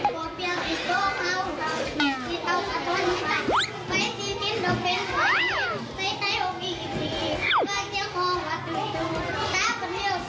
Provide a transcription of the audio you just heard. ก็เกลี้ยวมองกว่าดูแป๊บเที่ยวตรงนี้แป๊บ